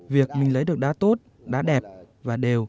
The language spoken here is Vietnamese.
việc mình lấy được đá tốt đá đẹp và đều